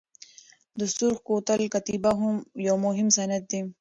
د سرخ کوتل کتیبه یو مهم سند دی.